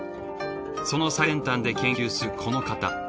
その最先端で研究するこの方。